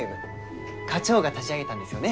課長が立ち上げたんですよね